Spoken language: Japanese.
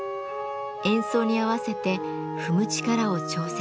演奏に合わせて踏む力を調節。